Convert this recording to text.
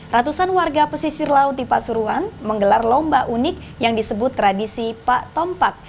ratusan warga pesisir laut di pasuruan menggelar lomba unik yang disebut tradisi pak tompak